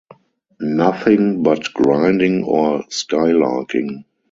Nothing but grinding or skylarking.